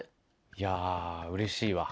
いやうれしいわ。